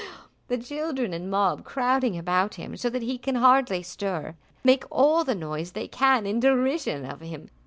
the children and mob crowding about him, so that he can hardly stir, make all the noise they can in derision of him."